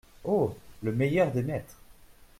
Oh ! le meilleur des maîtres !